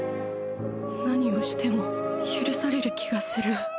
何をしても許される気がする